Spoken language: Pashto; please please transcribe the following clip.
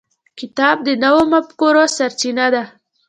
کتاب د نوو مفکورو سرچینه ده.